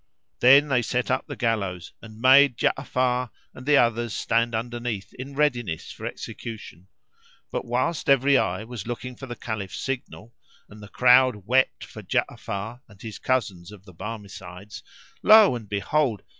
Then they set up the gallows and made Ja'afar and the others stand underneath in readiness for execution, but whilst every eye was looking for the Caliph's signal, and the crowd wept for Ja'afar and his cousins of the Barmecides, lo and behold!